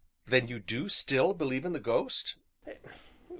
"Then you do still believe in the ghost?"